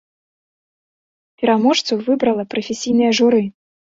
Пераможцу выбрала прафесійнае журы.